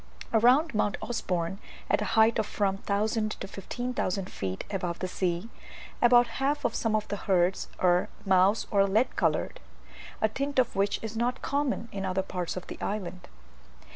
Round Mount Usborne, at a height of from 1000 to 1500 feet above the sea, about half of some of the herds are mouse or lead coloured, a tint which is not common in other parts of the island.